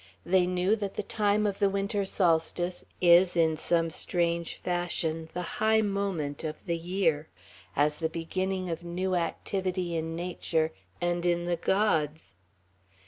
They knew that the time of the Winter solstice is in some strange fashion the high moment of the year, as the beginning of new activity in nature and in the gods.